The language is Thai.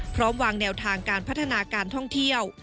พร้อมวางแนวทางการพัฒนาการท่องเที่ยว